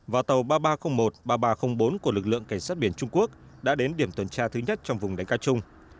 và tàu ba nghìn ba trăm linh một ba nghìn ba trăm linh bốn của lực lượng cảnh sát biển trung quốc đã đến điểm tuần tra thứ nhất trong vùng đánh cá chung